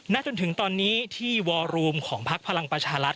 จนถึงตอนนี้ที่วอรูมของพักพลังประชารัฐ